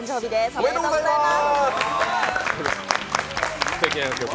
おめでとうございます！